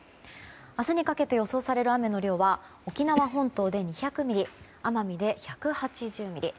明日にかけて予想される雨の量は沖縄本島で２００ミリ奄美で１８０ミリ。